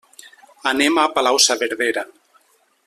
Anem a Palau-saverdera.